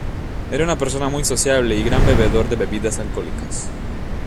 Era una persona muy sociable y gran bebedor de bebidas alcohólicas.